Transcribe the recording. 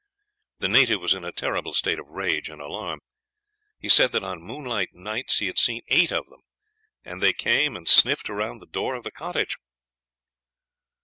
The native was in a terrible state of rage and alarm. He said that on moonlight nights he had seen eight of them, and they came and sniffed around the door of the cottage.